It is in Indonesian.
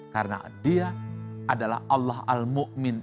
karena dia adalah allah al mu'min